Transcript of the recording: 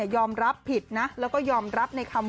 ยอมรับผิดนะแล้วก็ยอมรับในคำ